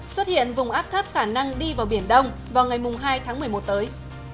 xuất hiện vùng áp thấp khả năng đi vào biển đông vào ngày hai tháng một mươi một tới